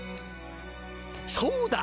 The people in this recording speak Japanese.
そうだ！